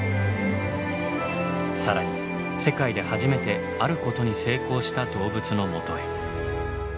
更に世界で初めてあることに成功した動物のもとへ。